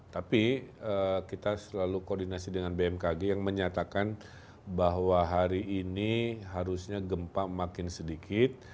tapi kita selalu koordinasi dengan bmkg yang menyatakan bahwa hari ini harusnya gempa makin sedikit